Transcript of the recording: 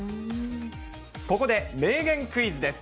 ここで名言クイズです。